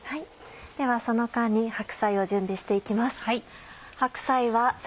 ではその間に白菜を準備して行きます。